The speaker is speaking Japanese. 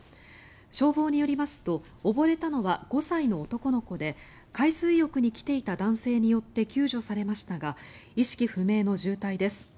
消防によりますと溺れたのは５歳の男の子で海水浴に来ていた男性によって救助されましたが意識不明の重体です。